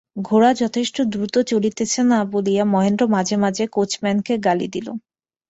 ঘোড়া যথেষ্ট দ্রুত চলিতেছে না বলিয়া মহেন্দ্র মাঝে মাঝে কোচম্যানকে গালি দিল।